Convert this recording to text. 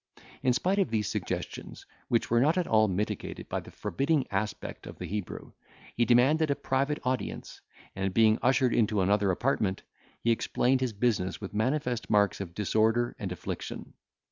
In spite of these suggestions, which were not at all mitigated by the forbidding aspect of the Hebrew, he demanded a private audience; and, being ushered into another apartment, he explained his business with manifest marks of disorder and affliction.